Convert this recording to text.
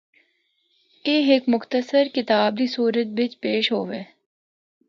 اے ہک مختصر کتاب دی صورت بچ پیش ہوے۔